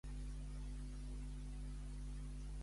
Qui tenia els mes en inici?